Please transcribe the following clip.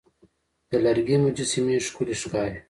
د لرګي مجسمې ښکلي ښکاري.